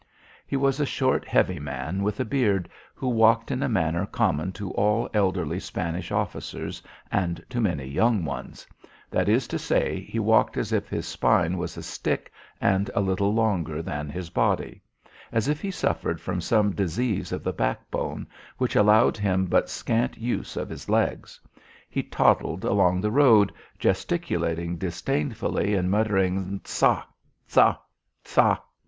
He was a short, heavy man with a beard, who walked in a manner common to all elderly Spanish officers, and to many young ones; that is to say, he walked as if his spine was a stick and a little longer than his body; as if he suffered from some disease of the backbone, which allowed him but scant use of his legs. He toddled along the road, gesticulating disdainfully and muttering: "Ca! Ca! Ca!"